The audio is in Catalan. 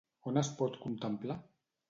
On es pot contemplar?